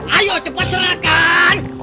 ayo cepat serahkan